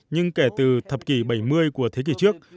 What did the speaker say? nhưng kể từ thập kỷ bảy mươi của thế kỷ trước